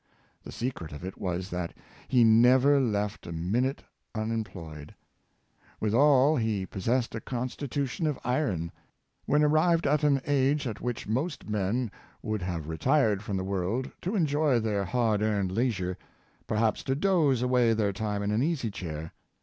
The secret of it was, that he never left a minute unemployed; withal he possessed a constitution of iron. When arrived at an age at which most men would have retired from the world to enjoy their hard earned leisure, perhaps to doze away their time in an easy chair.